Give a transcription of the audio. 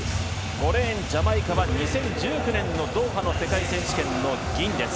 ５レーン、ジャマイカは２０１９年のドーハの世界選手権の銀です。